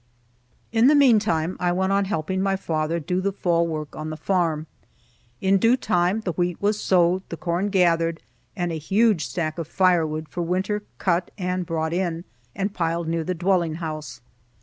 In the meantime, I went on helping my father do the fall work on the farm. In due time the wheat was sowed, the corn gathered, and a huge stack of firewood for winter cut and brought in, and piled near the dwelling house.